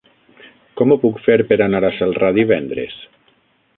Com ho puc fer per anar a Celrà divendres?